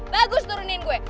bagus turunin gue